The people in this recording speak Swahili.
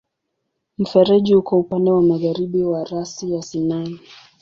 Mfereji uko upande wa magharibi wa rasi ya Sinai.